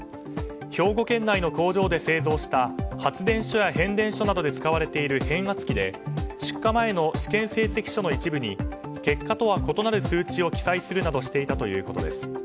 兵庫県内の工場で製造した発電所や変電所などで使われている変圧器で出荷前の試験成績書の一部に結果とは異なる数値を記載するなどしていたということです。